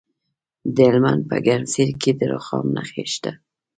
د هلمند په ګرمسیر کې د رخام نښې شته.